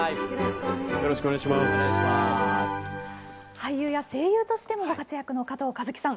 俳優や声優としてもご活躍の加藤和樹さん。